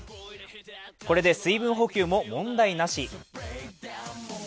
これで水分補給も問題なし。